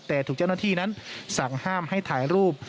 แต่ถูกเจ้าหน้าที่นั้นสั่งห้ามให้ถ่ายรูป